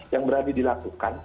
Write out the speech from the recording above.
yang berani dilakukan